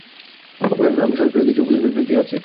কুরআন আমি সহজ করে দিয়েছি উপদেশ গ্রহণের জন্য, কে আছে?